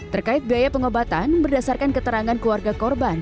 terkait biaya pengobatan berdasarkan keterangan keluarga korban